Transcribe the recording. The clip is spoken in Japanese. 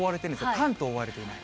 関東は覆われていない。